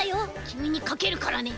きみにかけるからね。